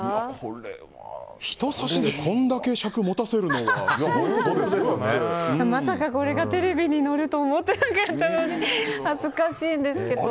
ひと刺しで、これだけまさか、これがテレビに出ると思っていなかったので恥ずかしいんですけど。